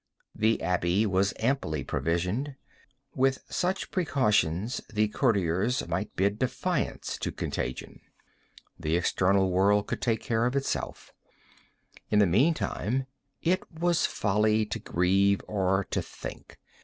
The abbey was amply provisioned. With such precautions the courtiers might bid defiance to contagion. The external world could take care of itself. In the meantime it was folly to grieve, or to think.